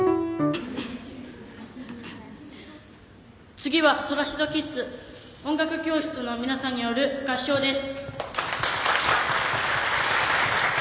次はソラシドキッズ音楽教室の皆さんによる合唱です。